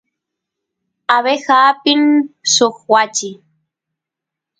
abeja apin suk wachi